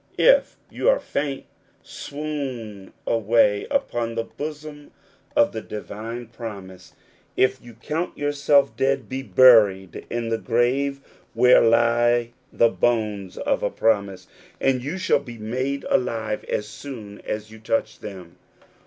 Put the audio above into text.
If you are faint, swoon away upon the bosom of the divine promise ; if you 86 According to the Promise. count yourself dead, be buried in the grave where lie the bones of a promise, and you shall be made alive as soon as you touch them.